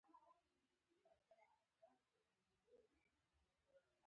خو اوس زموږ هېواد د یوې نیابتي جګړې ډګر دی.